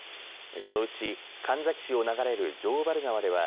このうち神埼市を流れる城原川では